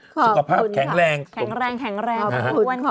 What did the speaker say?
ขอบคุณค่ะสุขภาพแข็งแรงแข็งแรงแข็งแรงขอบคุณค่ะ